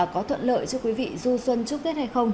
có thuận lợi cho quý vị du xuân chúc tết hay không